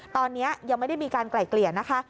ตอนนี้ยังไม่ได้มีการไกล่เกลี่ยนะคะ